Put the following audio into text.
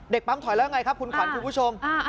ปั๊มถอยแล้วยังไงครับคุณขวัญคุณผู้ชม